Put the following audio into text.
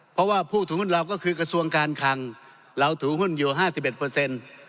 เพราะว่าผู้ถือหุ้นเราก็คือกระทรวงการคังเราถือหุ้นอยู่๕๑เปอร์เซ็นต์